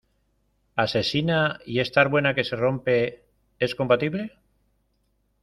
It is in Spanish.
asesina y estar buena que se rompe? es compatible.